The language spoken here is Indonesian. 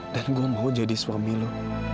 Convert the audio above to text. dan gue mau jadi suami lo